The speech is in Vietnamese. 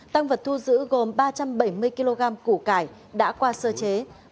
tăng vật thu giữ gồm ba trăm bảy mươi kg củ cải đã qua sơ chế